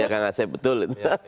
kang asef betul